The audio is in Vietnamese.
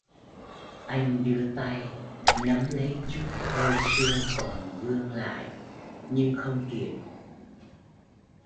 Anh đưa tay nắm lấy chút hơi sương còn vương lại nhưng không kịp